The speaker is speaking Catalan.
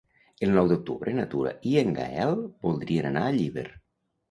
El nou d'octubre na Tura i en Gaël voldrien anar a Llíber.